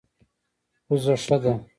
پوزه ښه ده.